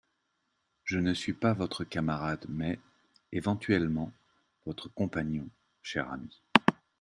Je ne suis pas votre camarade mais, éventuellement, votre compagnon, cher ami.